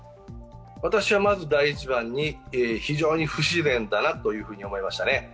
私はまず第一番に非常に不自然だなと思いましたね。